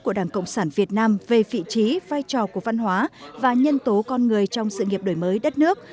của đảng cộng sản việt nam về vị trí vai trò của văn hóa và nhân tố con người trong sự nghiệp đổi mới đất nước